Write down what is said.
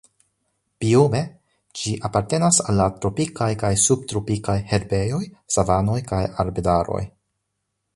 Biome ĝi apartenas al la tropikaj kaj subtropikaj herbejoj, savanoj kaj arbedaroj.